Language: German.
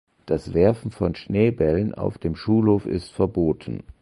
Das Werfen von Schneebällen auf dem Schulhof ist verboten!